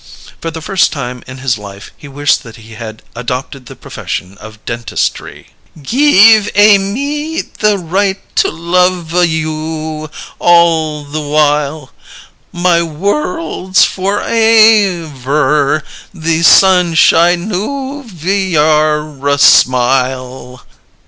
For the first time in his life he wished that he had adopted the profession of dentistry. "Geev a mee the righ to luv va yew ALL the wile, My worrrlda for AIV vorr, The sunshigh NUV vyewr ra smile!"